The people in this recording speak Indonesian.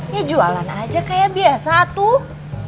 ya jualan aja kayak biasa tuh